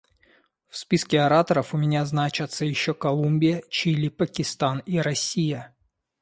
В списке ораторов у меня значатся еще Колумбия, Чили, Пакистан и Россия.